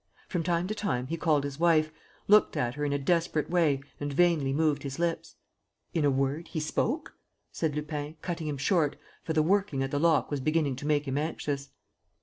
From time to time, he called his wife, looked at her in a desperate way and vainly moved his lips." "In a word, he spoke?" said Lupin, cutting him short, for the "working" at the lock was beginning to make him anxious.